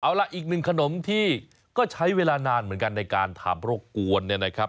เอาล่ะอีกหนึ่งขนมที่ก็ใช้เวลานานเหมือนกันในการทำโรคกวน